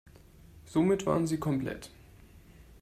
Somit waren sie komplett.